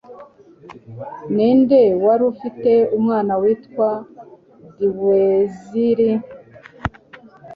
Ninde wari ufite umwana witwa Dweezil